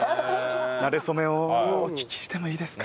なれ初めをお聞きしてもいいですか？